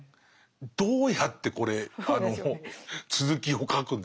どうやってこれ続きを書くんですか？